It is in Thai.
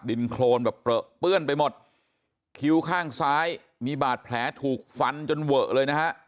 โครนแบบเปลือเปื้อนไปหมดคิ้วข้างซ้ายมีบาดแผลถูกฟันจนเวอะเลยนะฮะ